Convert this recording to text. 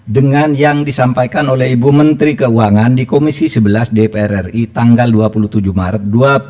dengan yang disampaikan oleh ibu menteri keuangan di komisi sebelas dpr ri tanggal dua puluh tujuh maret dua ribu dua puluh